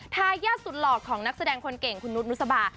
ทายาทสุดหล่อของนักแสดงคนเก่งคุณนุษนุสบา